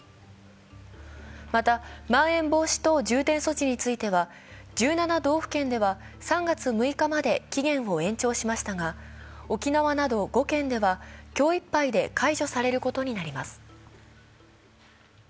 また、まん延防止等重点措置については、１７道府県では３月６日まで期限を延長しましたが沖縄など５県では今日いっぱいで解除されることになります。